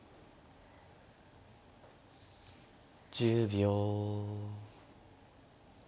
１０秒。